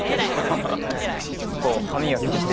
こう歯磨きして。